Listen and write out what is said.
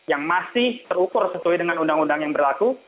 yang masih terukur sesuai dengan undang undang yang berlaku